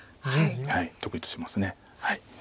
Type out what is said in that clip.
得意とします。